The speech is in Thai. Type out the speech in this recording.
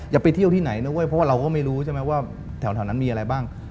ไปเที่ยวที่ไหนนะเว้ยเพราะว่าเราก็ไม่รู้ใช่ไหมว่าแถวนั้นมีอะไรบ้าง